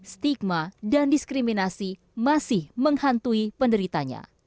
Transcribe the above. stigma dan diskriminasi masih menghantui penderitanya